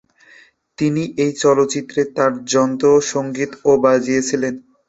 তিনি এই চলচ্চিত্রে তার যন্ত্রসংগীতও বাজিয়েছিলেন।